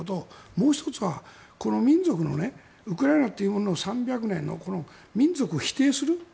もう１つは、この民族のウクライナというものの３００年の民族を否定する。